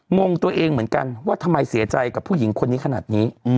งงตัวเองเหมือนกันว่าทำไมเสียใจกับผู้หญิงคนนี้ขนาดนี้